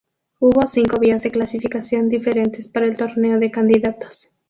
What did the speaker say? Hubo cinco vías de clasificación diferentes para el Torneo de Candidatos.